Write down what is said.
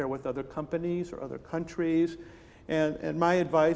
anda bisa membandingkan dengan perusahaan lain